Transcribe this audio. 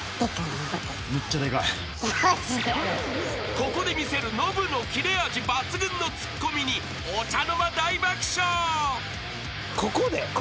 ［ここで見せるノブの切れ味抜群のツッコミにお茶の間大爆笑］